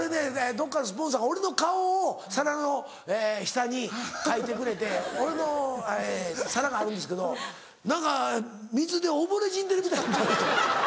どっかのスポンサーが俺の顔を皿の下に描いてくれて俺の皿があるんですけど何か水で溺れ死んでるみたい。